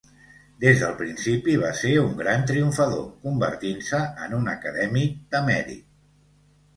Des del principi, va ser un gran triomfador, convertint-se en un acadèmic de mèrit.